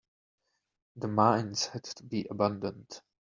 The mines had to be abandoned.